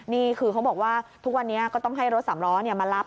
นี่คือเขาบอกว่าทุกวันนี้ก็ต้องให้รถสามล้อมารับ